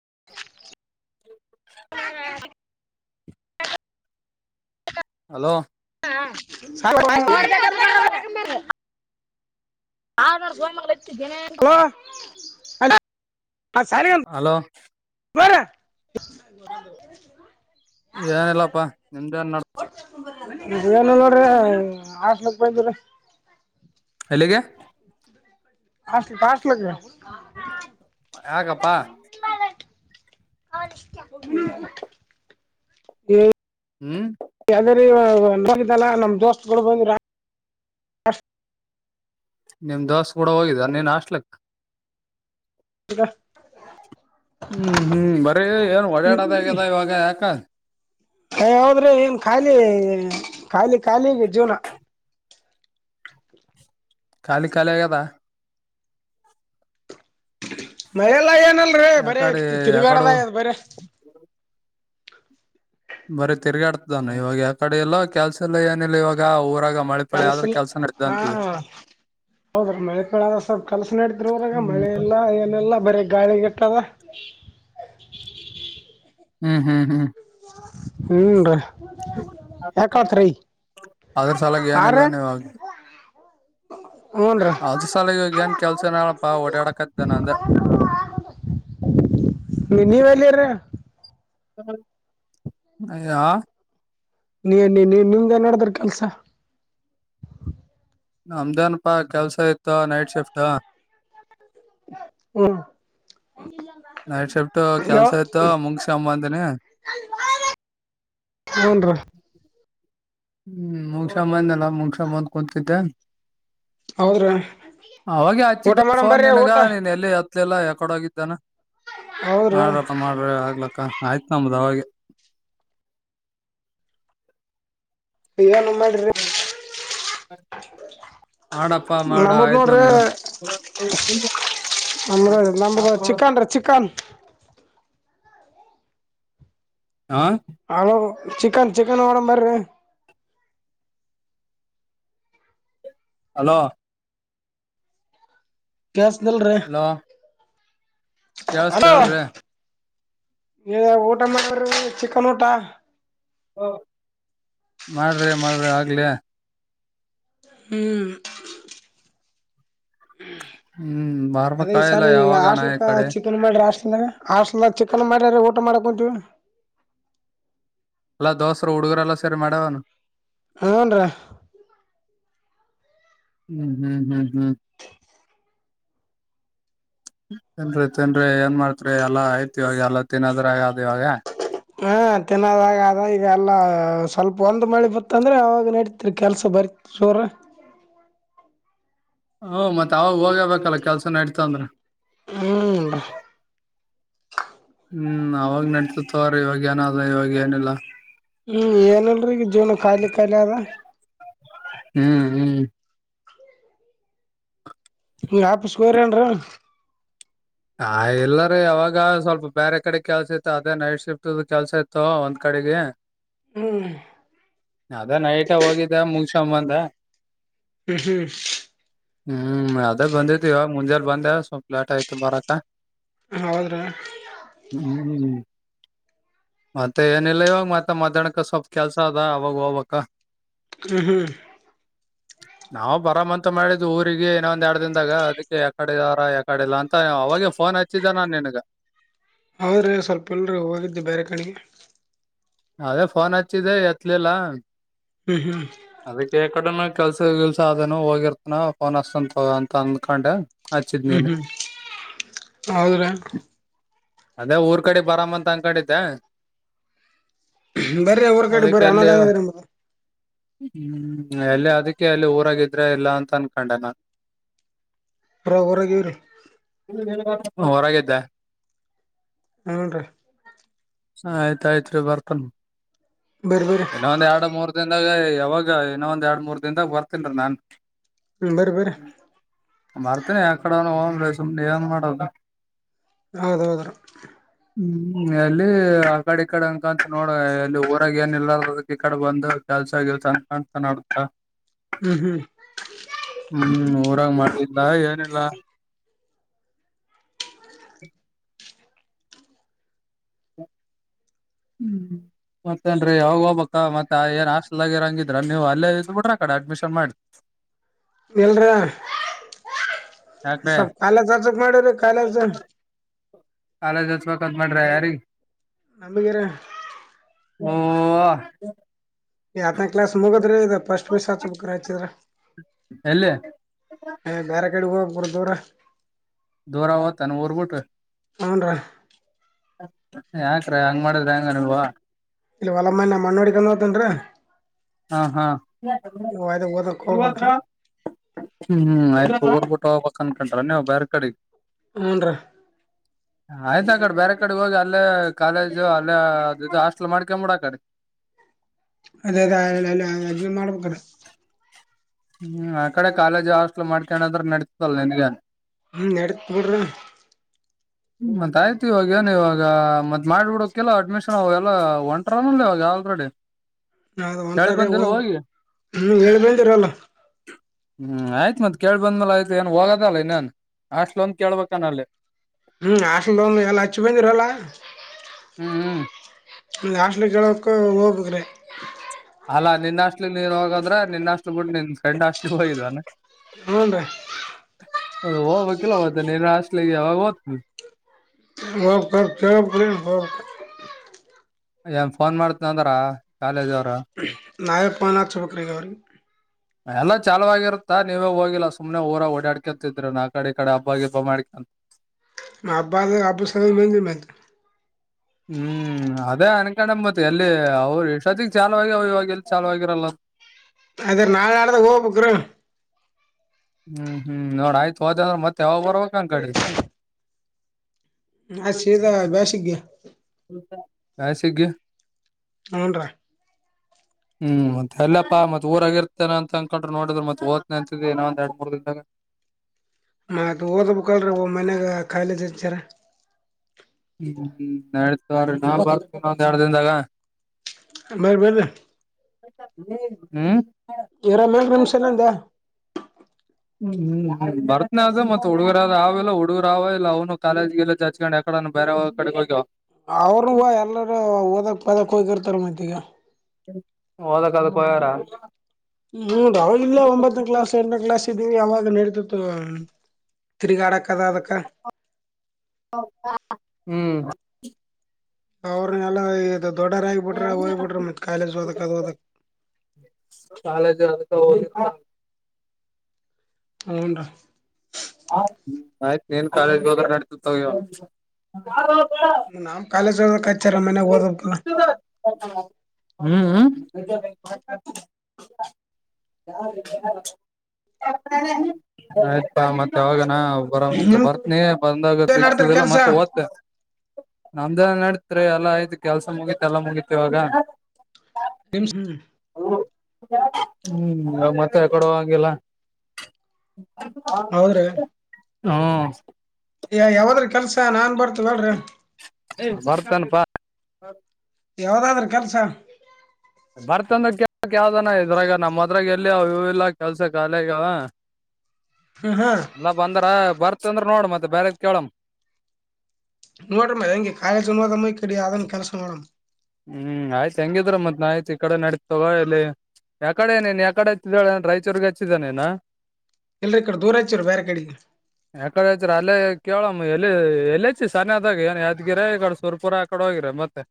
[unintelligible] [unintelligible] Hello. ಹ್ಮ್ಹ್ ಸಲಾ. [unintelligible] ಅದರ [unintelligible] ಕೊ. [unintelligible] ಹಲೋ. ಬರೆಯ. [unintelligible] ಏನಿಲ್ಲಪ್ಪಾ ನಿಮ್ದ ಏನ್ ನಡ್ತ. ಏನೋ ನೋಡ್ರಿ ಹಾಸ್ಟೆಲ್ ಕ ಬಂದಿಲ. ಎಲ್ಲಿಗೆ. ಫಾಸ್ಟ್ ಫಾಸ್ಟ್ಲಾಗ್. ಯಾಕ ಅಪ್ಪ. [unintelligible] ಏ ಹ್ಮ್ ಯಾವುದರ ಇವಗ್. ನೋಡಿದೆಲ್ಲ ನಮ್ ದೋಸ್ತಗಳು ಬಂದಿರ. ನಿಮ್ ದೋಸ ಕೂಡ ಹೋಗಿದ ನೀನ್ ಆಸ್ಲಕ್ಕ ಈಗ ಹೂ ಹೂ ಬರೀ ಏನ್ ಓಡಾಡೋದ ಆಗ್ಯದ ಇವಾಗ ಯಾಕ ಹೇ ಹೌದ್ರಿ ಏನ್ ಖಾಲಿ ಖಾಲಿ ಖಾಲಿ ಜೀವನ ಖಾಲಿ ಖಾಲಿ ಆಗ್ಯದ ಮಯೆಲ್ಲ ಏನಲ್ರಿೀ ಭಾರಿ ಯಾಕಡೆ ಯಾಕಡು ತಿರುಗ್ಯಡಡೆ ಆಗ್ಯತಿ ಬರಿ ಬರೀ ತಿರ್ಗಾಡ್ತ ಇದಾನೆ ಇವಾಗ ಯ ಕಡೆ ಎಲ್ಲ ಕೆಲ್ಸ ಎಲ್ಲ ಏನಿಲ್ಲ ಇವಾಗ ಊರಾಗ ಮಳೆ ಪಳೆ ಆದ್ರ ಕೆಲ್ಸಿಲ್ಲ ಕೆಲ್ಸ ನಡ್ದ ಹಾ ಅಂತಿದೆ ಹೌದ್ರೀ ಮಳೆ ಕ ಆದ್ರ ಸ್ವಲ್ಪ ಕೆಲಸ ನಡಿದ್ರಿ ಊರಾಗ ಹ್ಮ್ ಮಳೆ ಇಲ್ಲ ಏನೆಲ್ಲಾ ಬರಿ ಗಾಳಿಗೆ ಇಟ್ಟವ ಹೂ ಹೂ ಹೂ ಹೂ ರೀ ಯಾಕಾತ್ರಿ ಅದ್ರ ಸಲಾಗಿ ಆರ ಏನಿಲ್ಲ ನೀವು ಹೂನ್ರೀ ಅಲ್ದು ಸಾಲಗ ಏನ್ ಕೆಲ್ಸನಪ್ಪಾ ಓಡಾಡಕ್ದ ನಂದ ನೀ ನೀವ ಎಲ್ಲಿರೀ ಅ ಹಾ ನೀ ನೀ ನೀ ನಿಮ್ದೆ ನೆಡ್ಡಡ್ರಿ ಕೆಲ್ಸ ನಮ್ದೇನಪ್ಪಾ ಕೆಲ್ಸ ಇತ್ತ ನೈಟ್ ಶಿಫ್ಟ ಹೂ ನೈಟ್ ಶಿಫ್ಟ್ ಕೆಲ್ಸ ಇತ ಮುಗಿಸ್ಕ ಬಂದೀನಿ ಹ ಹೂನ್ರೀ ಹೂ ಮುಗ್ಸಬಾಡಿನಲ್ಲ ಮುಗಿಸ್ಕೊಂಡು ಬಂದು ಕುಂತಿದೆ ಹೌದ್ರಿ ಅವಾಗ ಊಟ ಹಚ್ಚಿದ್ದ ಮಾಡಮ್ ಫೋನ್ ಬರ್ರಿ ನಿಂಗ ಊಟ ನೀನ್ ಎಲ್ಲಿ ಎತ್ ಇಲ್ಲ ಯಾಕಡೋಗಿದ್ದಾನ ಹೌದ್ರಿ ಮಾಡ್ರಪ್ಪ ಮಾಡ್ರಿ ಆಗ್ಲಕ್ಕ ಆಯ್ತ ಆಯ್ತು ನಮ್ದು ಅವಗೆ ಏನ್ ಮಾಡೀರಿ ಮಾಡಪ್ಪ ಮಾಡು ಆಯ್ತು ನಮ್ದು ನ ನಮ್ದು ಚಿಕನ್ೀ ಚಿಕನ್ ಹಾ ಹಲ ಚಿಕನ್ ಚಿಕನ್ ಮೇಡನ್ ಬನ್ರೀ ಹಲೋ ಕೆಲ್ಸದಿಲ್ಲ ರೀ ಹಲೋ ಕೇಳಸ್ತ ಹೇಳ್ರಿ ಊಟ ಮಾಡ್ರಿ ಚಿಕನ್ ಊಟ ಮಾಡ್ರಿ ಮಾಡ್ರಿ ಆಗ್ಲಿ ಹೂ ಹ್ಮ್ ಅದೇ ಈ ಬರ್ಬೇಕಾಗಿಲ್ಲ ಸಾಲಿ ಈ ಯಾವಾಗನ ಈ ಹೊಸ್ತ್ಲಕ ಕಡೆ ಚಿಕ್ಕನ್ ಮಡಿ್ರಷ್ಟ ಆ ಹಾಸ್ಟ್ಲಾಗಾ ಚಿಕನ್ ಮಾಡ್ಯಾರ ಊಟ ಮಾಡ ಕುಂತೀವಿ ಎಲ್ಲಾ ದೋಸರು ಹುಡುಗರೆಲ್ಲ ಸರಿ ಮಾಡೆವೆನಾ ಹೂ ರಿ ಹೂ ಹೂ ಹೂ ಹೂ ತಿನ್ರಿ ತಿನ್ರಿ ಏನ್ ಮಾಡ್ತ್ರಿ ಎಲ್ಲಾ ಐ್ತಿ ಇವಾಗ ಎಲ್ಲ ತಿನ್ನದ್ರ ಆಗದು್ ಇವಾಗ ಹಾ ತಿನ್ನದಾಗ ಅದ ಈಗ ಎಲ್ಲ ಸ್ವಲ್ಪ ಒಂದ್ ಮಳೆ ಬತ್ತಂದ್ರೆ ಅವಾಗ ನಡೀತಿರಿ ಕೆಲ್ಸ ಬರ ಲಿಪ್ ಸೊರ ಹ ಮತ್ತತ್ ಅವಾಗ ಹೋಗಬೇಕಲ್ಲ ಕೆಲ್ಸ ನೆಡಿತವು ಅಂದ್ರ ಹೂ ರಿ ಹೂ ಅವಾಗ ನಡ್ತಿತ್ ಅವ್ರ ಇವಾಗ ಏನಾದ ಇವಾಗ ಏನಿಲ್ಲ ಹೂ ಏನಲ್ರೀ ಈಗ ಜೀವನ ಖಾಲಿ ಖಾಲಿ ಅದ ಹೂ ಹೂ ಲೆಪ್ಸ್ಕೋರಿ ವಾಪಸ್ಕೋರೇನ್ರ ಹ ಇಲ್ಲರಿೀ ಅವಾವಾಗ ಸ್ವಲ್ಪ ಬೇರೆ ಕಡೆ ಕೆಲ್ಸ ಇತ್ತು ಅದೇ ನೈಟ್ ಶಿಫ್ಟ ಕೆಲ್ಸ ಇತ್ತು ಒಂದ್ ಕಡೆ ಅವ್ರಿಗೆ ಹ್ಮ್ ಅದ ನೈಟ್ ಹೋಗಿದ್ದ ಮುಗಸಬಂದ ಹ್ಮ್ ಹ್ಮ್ ಹ್ಮ್ ಅದೇ ಬಂದೇತಿ ಇವ ಮುಂಜೆಲ್ ಬಂದೆ ಸ್ವಲ್ಪ ಲಾಟ್ ಆಯ್ತು ಬರಕ ಹೌದ್ರೀ ಹ್ಮ್ ಮತ್ತೆ ಏನಿಲ್ಲ ಇವಾಗ ಮತ್ತ ಮಾತಾಡ್ಕ ಸ್ವಲ್ಪ ಕೆಲ್ಸ ಅದ ಅವಾಗ ಹೋಗ್ಬೇಕಾ ಹ್ಮ್ ಹ್ಮ್ ನಾವವು ಬರಾಮಂತ ಮಾಡಿದ್ದ್ ಊರಿಗೆ ಇನ್ನೊಂದ್ ಎರಡ್ ದನ್ದಾಗ ಅದಕ್ಕೆ ಯಾಕಾಾರ ಯಾಕಾಡೆ ಇಲ್ಲಾ ಅಂತ ಅವಾಗ ಫೋನ್ ಹಚ್ಚಿದ್ದ ನಾನ್ ನನ್ಗ ಆದ್ರರೆ ಸ್ವಲ್ಪಲ್ರ ಹೋಗಿದ್ದು ಬೇರೆ ಕಡೆಗೆ ಅದೇ ಫೋನ್ ಹಚ್ಚಿದೆ ಎತ್ಲೆಲ್ಲ ಹ್ಮ್ ಹ್ಮ್ ಅದಕ್ಕೆ ಕೆಲ್ಸ ಕೆಲ್ಸ ಅದೇನು ಹೋಗಿರ್ತನ ಫೋನ್ ಅಸ್ಂತ ಅಂತ ಅಂದ್ಕೊಂಡೆ ಹಚ್ಚಿದ್ ಹ್ಮ್ ನೀನ್ ಹ್ಮ್ ಹೌದ್ರೆ ಅದೇ ಊರ್ ಕಡೆ ಬರಾಮ ಅಂತ ಅನ್ಕೊಂಡಿದ್ದೆ ಬರ್ರ ಊರ್ ಕಾಡೆ ಅದಕ್ಕೆ ಬರ್ರಿ [unintelligible] ಅಲ್ಲಿ ಅಣದ ಹ್ಮ್ ಎಲ್ಲಿ ಅದಕ್ಕೆ ಅಲ್ಲಿ ಊರಾಗಿದ್ರೆ ಇಲ್ಲ ಅಂತ ಅನ್ಕೊಂಡೆ ನು ಪರಾಪರಗ [unintelligible] ಹೊರಾಗಿದ್ದ ಹ್ನ್ ರೀ ಹ ಆಯ್ತು ಆಯ್ತ್ರಿ ಬರ್ತಾನ ಬರಿ ಬರಿ ಇನ್ನ ಒಂದ್ ಎರಡು ಮೂರ್ ದಿನ ಇಲ್ಲಾಗ [unintelligible] ಯಾವಾಗ ಏನೋ ಒಂದ್ ಎರಡ್ ಮೂರ್ ದಿನದಾಗ ಬರ್ತನ್ರೀ ನಾನು ಬರಿಬರಿ ಮಾಡ್ತೇನಿ ಯಾಕಡೆನೋ ಹೋಗೋಣ ಸುಮ್ನೆ ಏನ್ ಮಾಡೋದು ಹೌದ ಹೌದು ರ ಹ್ಮ್ ಅಲ್ಲಿ ಆ ಕಡೆ ಈ ಕಡೆ ಅನ್ಕಂತ ನೋಡ ಇಲ್ಲಿ ಊರಾಗ ಏನ್ ಇಲ್ಲದ ಈ ಕಡೆ ಬಂದು ಕೆಲ್ಸ ಕೆಲ್ಸ ಅನ್ ಕಾಣಂತ ನಡತ ಹ್ಮ್ ಹ್ಮ್ ಹ್ಮ್ ಊರಂಗ [unintelligible] ಮಾಡಲಿಲ್ಲ ಏನಿಲ್ಲ [inaudible] [inaudible] ಮತ್ತೇನ್ರರಿ ಅವಾವಾಗ ಹೋಗ್ಬೇಕ ಮತ್ತೆ ಏನ್ ಹಾಸ್ಟೆಲ್ ಆಗಿರ ಹಂಗಿದ್ರ ನೀವು ಅಲ್ಲೇ ಇದ್ ಬಿಡ್ರ ಕಡೆ ಅಡ್ಮಿಷನ್ ಮಾಡಿ ಇಲ್ ರೀ [inaudible] ಯಾಕ್ರೀ ಸ್ವಲ್ಪ ಕಾಲೇಜು ಅಚಬೇಕಂತ [unintelligible] ಮಾಡಿದ್ದೆ ಕಾಲೇಜು ಮಾಡ್ರ ಯಾರಿಿಗೆ [unintelligible] ನಂಬಗೆರ ಓ ಆತ್ನ ಕ್ಲಾಸ್ ಮುಗದ್ರಿ ಇದ ಫಸ್ಟ್ ಮಿಸ್ ಹಚ ಬು್ರ ಹಚ್ಚಿದ್ರ ಎಲ್ಲಿ ಹ ಬ್ಯಾರಕೇಡ್ ಹೋಗ ಕೂಡ ದೂರ ದೂರಾವ [unintelligible] ತಾನ ಊರ್ಬುಟ್ಟು ಹುನ್ರಿ ಯಾಕ್ರ ಹಂಗ್ ಮಾಡಿದ್ರ ಹೆಂಗನ್ವಾ ಇಲ್ಲ ಒಲಮ್ಮ ಮಣ್ಣು ಹೊಡಿಕೊಂಡ ಹತನ್ರೀ ಹಾ ಹಾತ್ರ [unintelligible] ಓದಕ್ ಹೋಗ್ಬೇಕ್ರಿ ಹ್ಮ್ ಹ್ಮ್ ಆಯ್ತು ಊರ್ಬಿಟ್ಟ ಹೋಗ್ಬೇಕಕ್ ಅನ್ಕಟ್ರ ನೀವು್ ಬೇರ್ ಕಡೆ ಹುನ್ರಿ ಆಯ್ತ ಆ ಕಡೆ ಬೇರೆ ಕಡೆ ಹೋಗಿ ಅಲ್ಲೇ ಕಾಲೇಜು ಅಲ್ಲೇ ಅ ಇದು ಹಾಸ್ಟೆಲ್ ಮಾಡ್ಕೊಬಿಡಕಡೆ ಅದೇ ಅದ ಅ ಅಲ್ಲ ಅದೊಮ ಕಣ [unintelligible] ಹ್ಮ್ ಆ ಕಡೆ ಕಾಲೇಜ್ ಹಾಸ್ಟ್ಲ್ ಮಾಡ್ಕಣದ್ರ ನಡತದಲ್ಲ ನಿನ್ಗ ಹ್ಮ ನಡತ್ ನೋಡ್ರಿ ಮತ್ ಆಯ್ತು ಇವಾಗ ಏನ್ ಇವಾಗ ಮತ್ ಮಾಡ್ಬಿಡಕಲ್ಲ ಅಡ್ಮಿಷನ್ ಅವಗ ಎಲ್ಲ ಒಂಟರಲ್ ಇವಾಗ ಆಲ್ತ್ರಡೆ ನ ಒಂಟರ ಹ ಒ ಹೇಳ ಬಂದಿದರಾಲ್ ಹ್ಮ್ ಆಯ್ತ್ ಮತ್ ಕೇಳ್ ಬಂದ್ಮೇಲೆ ಆಯ್ತ ಏನ್ ಹೋಗದಲ್ಲ ಇನ್ನೇನ್ ಅಷ್ಟಲ ಒಂದ ಕೇಳ್ಬಾಕನಲ್ಲಿ ಹ್ಮ ಹಾಸ್ಟೆಲ್ [unintelligible] ಎಲ್ಲ ಹಚ್ಚಿ ಬಂದಿರಲ್ಲ ಎಲ್ಲ ಹ್ಮ್ ಹ್ಮ್ ಹಾಸ್ಟೆಲ್ ಕೇಳೋಕ್ಕ ಹೋಗ್ಬೇಕ್ರೆ ಅಲ್ಲಾ ನಿನ್ನಹಾಷ್ಟಲಿ ನೀನ್ ಹೋಗದ್ರ ನಿನ್ನಹಾಷ್ಟಲು ಬಿಟ್ಟ ನಿನ್ ಗಂಡ ಹಾಷ್ಟಿಲಿ ಹೋಗಿದೇನ ಹ್ಞೂನ್ ರೀ ಅ ಹ ಹೋಬಕಿಲ ಮತ್ತ ನೀನ ಹಾಸ್ಟೆಲ್ ಗೆ ಯವಾಗ ಹೊತ್ ಕಚ ಹ [unintelligible] ಏನ್ ಫೋನ್ ಮಾಡ್ತ್ನಂದ್ರ ಕಾಲೇಜ್ ಅವ್ರ ನಾಯಪ್ಪನಾಚ ಬಕಾರಿ ಅವರಿಗೆ ಎಲ್ಲ ಚಲುವಾಗಿರುತ್ತಾ ನೀವೇ ಹೋಗಿಲ್ಲ ಸುಮ್ನೆ ಊರ ಓಡಾಡ್ಕೊಂತಿದ್ರಿ ನಾ ಕಡೆ ಈ ಕಡೆ ಹಬ್ಬಾಗಿಬ್ಬ ಮಾಡ್ಕೊಂತ ನ ಅಬ್ಬ ಅಬು ಸಮ ಮ ಮತ್ ಹ್ಮ್ ಅದೇ ಅನ್ಕೊಂಡಂಬತಿ ಎಲ್ಲಿ ಅವ್ರು ಇಷ್ಟೊತ್ತಿಗೆ ಚಾಲವ ಆಗ್ಯಾವ ಈವಾಗ್ ಎಲ್ಲಿ ಚಾಲ ಆಗರಲ್ಲ ಅದೇ ನಾಳೆ ನಾಡದಗ ಹೋಗ್ಬಕರಿ ಹ್ಮ್ ಹ್ಮ್ ನೋಡ ಆಯ್ತು ಹೋದಂದ್ರ ಮತ್ತೆ ಯಾವಾಗ ಬರ್ಬೇಕ್ ನನ್ ಕಡೆ ಅ ಸಿದ ಬ್ಯಾಸಿಗ್ಗೆ ಕಾಯ ಸಿಗ್ಗೆ ಹುನ್ ರೀ ಹ್ಮ್ ಮತ್ತೆ ಎಲ್ಲಪ್ಪ ಮತ್ ಊರಗಿರ್ತೇನೆ ಅಂತ ಅನ್ಕೊಂಡ್ ನೋಡಿದ್ರೆ ಮತ್ ಹೊದ್ನನೆ ಅಂತಿದಿ ಇನ ಒಂದ್ ಎರಡ್ ಮೂರ್ ದಿನದಾಗ ಮತ್ ಓದಬೇಕಲ ರೀ ಒ ಮನ್ಯಾಗ ಕಾಲೇಜ್ ಹಚ್ಚಾರ ಹ್ಮ್ ನಡೀತತಿ ತೋರಿ ನಾ ಬರ್ ಒಂದ್ ಎರಡು ದಿನದಾಗ ಬರೀ ಬರೀ ಹ್ಮ್ ಇರ ಮೇಲ್ ನಿಮಿಷನಂದ ಹ್ಮ್ ಬರ್ತ್ನ ಅದ ಮತ್ತತ್ ಹುಡುಗರಾದ ಅವ ಇಲ್ಲ ಹುಡುಗರು ಅವ ಇಲ್ಲ ಅವ್ನು ಕಾಲೇಜ್ಗೆಲ್ಲ ಹಚ್ಕೊಂಡ್ ಯಕಡ ಬರ ಕಡಬಗೆವ ಅವರು ಎಲ್ಲರೂ ಓದಕ್ ಪದಕ್ ಹೋಗಿರ್ತಾರ ಮತ್ತಿಗ್ ಓದಕ್ಕ ಅದಕ್ ಹೋಗ್ಯಾರ್ ಹ್ಮ ಹ್ಮ ಅವಾಗಲ್ಲ ಒಂಬತ್ತನೇ ಕ್ಲಾಸ್ ಎಂಟನೇ ಕ್ಲಾಸ್ ಇದ್ದೀವಿ ಅವಾಗ ನಡೀತಿತ್ತು ತಿರಿಗಾಡಕ್ ಆದ ಅದಕ್ಕೆ ಹ ಅವ್ರ ನೆಲ ಇದ ದೊಡ್ಡರ ಆಗಿಬಿಟ್ರ ಹೋಗ್ಬ ಬಿಟ್ರ ಮತ್ ಕಾಲೇಜ್ ಹೋದಕ್ ಅದ ಹೋದಕ್ ಹದು [unintelligible] ಹುನ್ ರೀ ಹ್ಮ ಆಯ್ತ ನೀನ್ ಕಾಲೇಜ್ ಹೋದರ ನಡತತೋಗನ ನಾಮ್ ಕಾಲೇ ಹ್ಮ್ ಹು [unintelligible] [unintelligible] ಆಯ್ತಾ ಮತ್ತೆ ಅವಾಗ. ನಾ ಬರ ನಿಮ್ದ ಬರ್ತನಿ ಬಂದಾಗ ಏನ್ ನಡ್ದ್ರಿ ಸಿಗ್ತದಿಲ್ಲ ಕೆಲ್ಸ ಮತ್ತೆ ಓದ್ತ. ಇದ ನಡತ್ರಿ ಎಲ್ಲಾ ಆಯ್ತು ಕೆಲ್ಸ ಮುಗೀತಿ ಎಲ್ಲಾ ಮುಗೀತಿವಾಗ ತ್ [unintelligible] ಹ್ಮ್ ಮತ್ತೆ ಕೊಡುವಾಂಗಿಲ್ಲ ಹೌದ್ರಿ ಹ್ಮ ಯ ಯಾವದ್ರ ಕೆಲ್ಸ ನಾನ್ ಬರ್ತ ಬರ್ತನ ಪಾ ಯಾವ್ದಾದ್ರ ಕೆಲ್ಸ ಬರ್ತಂದ ಕ ಯಾವ್ದಾನ ಇದ್ರಾಗ ನಮ್ಮ್ ಮದ್ರಾಗ ಎಲ್ಲಿ ಇ ಇಲ್ಲ ಕೆಲ್ಸ ಖಾಲಿ ಆಗ್ಯಾವ ಹ್ಮ್ ಹಾ ನಾ ಬಂದ್ರ ಬರ್ತಂದ್ರ ನೋಡ ಮತ್ತೆ ಬೇರೆದ ಕೇಳಮ್ಮ ನೋಡರೀ ಮಾ ಹೆಂಗೆ ಕಾಲೇಜ್ ಉನ್ವಾದೇ ಕಡಿ ಕೆಲಸ ನೋಡ ಹ್ಮ್ ಆಯ್ತು ಹೆಂಗಿದ್ರ ಮತ್ ನ ಆಯ್ತು ಈ ಕಡೆ ನಡೀ ತಗೊಳ್ಳಲೆ. ಯಾಕಡೆನೇನ್ ಯಾಕಡೆ ಹಚ್ಚಿದಾಳ ರಾಯಚೂರ್ರಿಗೆ ಹಚ್ಚಿದ್ದಾನೇನಾ ಎಲ್ರಿ ಈಕಡೆ ದೂರಚ್ಚಾರ ಬೇರೆ ಕಡೆಗೆ ಯಾಕಡೆ ಅಲ್ಲೇ ಕೇಳುಮ್ಮ ಎಲ್ಲಿ ಎಲ್ಲಚ್ಚಿ ಸಕದಾಗ ಏನ್ ಯಾದಗಿರ ಈ ಕಡೆ ಸುರ್ಪುರ ಆ ಕಡೆ ಹೋಗಿರ ಮತ್ತೆ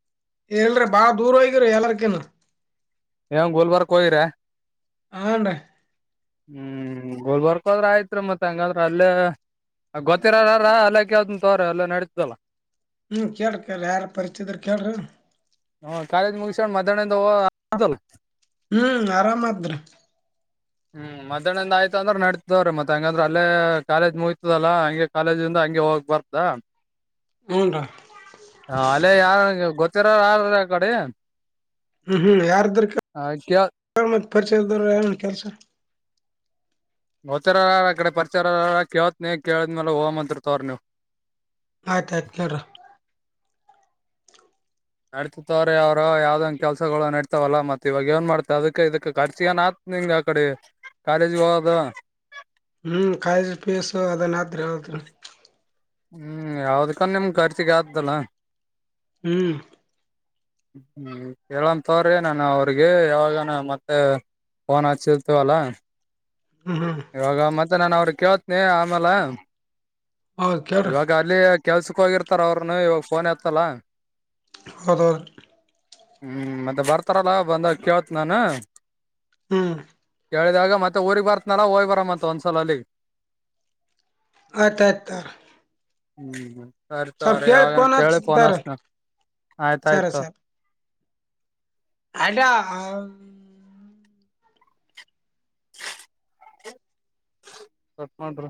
ಏ ಹೇಳರಿ ಬಾಳ ದೂರಹೋಗಿರಿ ಎಲ್ಲಾರಕಿನ್ ಕೊಯರ ಹಂಡ ಹುಂ ಗೋಲ್ ಬರ್ಕೋದ್ರ ಆಯ್ತ್ರಿ ಮತ್ ಹಂಗಾದ್ರ ಅಲ್ಲೇ ಗೊತ್ತಿರಾರಾರ ಅಲ್ಲ ಕಾವ್ದನ್ ತೋ್ರ ಅಲ್ಲ ನಡತದಲ್ಲ ಹುಂ ಕೇಳ್ರಿ ಕೇಳ ರೀ ಯಾರ ಪರಿಚಯ ಇದ್ರ ಕೇಳ್ರಿ ಹು ಕಾಲೇಜ್ ಮುಗಸೋಣ ಮಧ್ಯಾಹ್ನಿಂದ ಹೋಗ ದುಲ್. ಹ್ಮ್ ಆರಾಮಾದ್ ರೀ ಹ್ಮ್ ಮಧ್ಯಾಹ್ನಂದ ಆಯ್ತ ಅಂದ್ರೆ ನಡತಿದವ್ರೀ ಮತ್ತ ಹಂಗಂದ್ರ ಅಲ್ಲೇ ಕಾಲೇಜ್ ಮುಗತದಲ್ಲಾ ಹಂಗೆ ಕಾಲೇಜಇಂದ ಹಂಗೆ ಹೋಗ್ಬಾರ್ದಾ. ಹೂನ್ರಿ ಹಾ ಅಲ್ಲೇ ಯಾರಗೆ ಗೊತ್ತಿರ ಯಾರ ಅಕಡೆ. ಹು ಹು ಯಾರದ್ರ ಕೇಳ್ ಪರಿಚಯ ಇದ್ದರ ಏನ್ ಕೆಲ್ಸ. ಗೊತ್ತಿರ ಈಕಡೆ ಪರಿಚಾರ ಇರೋರರ ಕೇಳತಿನೀ ಕೇಳಿದ್ಮೇಲ ಹೋಗುಮ ಅಂತೀರ ತೋರ್ ನೀವು. ಆಯ್ತಾಯ್ತ್ ಕೇಳ್ರ ನಡ್ತಿತ್ವ್ರ ಅವರು ಯಾವ್ದಂಗ ಕೆಲ್ಸಗಳು ನಡ್ತಾವಲ್ಲ ಮತ್ತ ಇವಾಗ ಏನ್ ಮಾಡ್ತಾವ ಅದಕ್ಕೆ ಇದಕ್ಕೆ ಖರ್ಚ‌ಳ ಏನ್ ನಿಂಗ ಆ ಕಡೆ ಕಾಲೇಜ್ ಹೋಗದ ಹ್ಮ್ ಕಾಲೇಜಿ ಪೀಸು ಅದನ್ತ್ರಿ ಹೇಳತ್ಿ [unintelligible] ಹ್ಮ್ ಯಾವ್ದಕ್ಕ ನಿಮ್ ಖರ್ಚಿಗೆ ಆದ್ದಲ್ಲ ಹ್ಮ್ ಹು ಹೆಳನ ತೋರಿ ನಾನು ಅವ್ರಿಗೆ ಯಾವಾಗನ ಮತ್ತ. ಪೊನ್ ಹಚ್ಚಿರತವಲ್ಲ. ಹ್ಮ್ ಹ್ಮ್ ಇವಾಗ ಮತ್ತೆ ನಾನ ಅವ್ರ ಕೇೇಳತ್ನಿ ಆಮೇಾಲ ಹೌದ್ ಕೇಳ್ರಿ ಇವಾಗ ಅಲ್ಲಿ ಕೆಲ್ಸಕ್ ಹೋಗಿರ್ತಾರ ಅವ್ರನು ಇವಾಗ ಫೋನ್ ಎತ್ತಲ್ಲ ಹೌದ ಹ್ಮ್ ಮತ್ತೆ ಬರ್ತಾರಲ್ಲಾ ಬಂದ ಕೇೇಳತ್ ನಾನು ಹಾ ರಿ ಕೇಳಿದಾಗ ಮತ್ತೆ ಊರಿಗೆ ಬರ್ತ್ನನಾಣ್ಣ ಹೋಗಿ ಬರ್ಂತ ಒಂದ್ಸಲಲ್ಲಿ ಆಯ್ತ ಆಯ್ತ ತೋರಿ ಹು ಸರಿ ತೋರಿ ಯಾವಾಗ ಕೇಳಿ ಫೋನ್ ಹಚ್ತಾರ ಹಚ್ಚತೇನಿ ಆಯ್ತ ಆಯ್ತ ತೋರಿ. ಅದಾ. ಕಟ್ ಮಾಡ್ ಬ್ರೋ